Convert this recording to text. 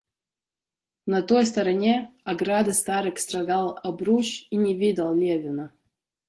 На той стороне ограды старик строгал обруч и не видал Левина.